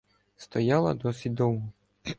Стояла досить довго.